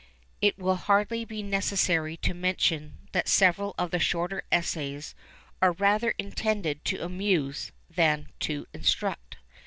It will hardly be necessary to mention that several of the shorter Essays are rather intended to amuse than to instruct.